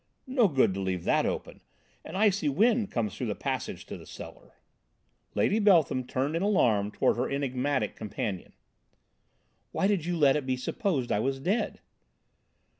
"No good to leave that open! An icy wind comes through the passage to the cellar." Lady Beltham turned in alarm toward her enigmatic companion. "Why did you let it be supposed I was dead?"